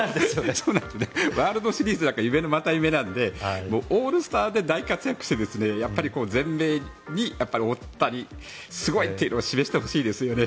ワールドシリーズは夢のまた夢なのでオールスターで大活躍して全米に大谷すごい！というのを示してほしいですよね。